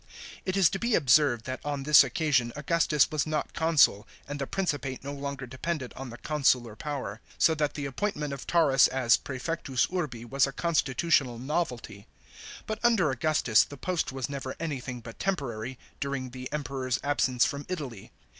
It is to be observed that on this occasion Augustus v/as not consul, and the Principate no longer depended on the consular power ; so that the appointment of Taurus as prspfectus urbi was a constitutional novelty. But, under Augustus, the post was never anything but temporary, during the Emperor's absence from Italy.